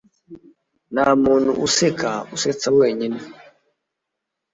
ntamuntu useka usetsa wenyine.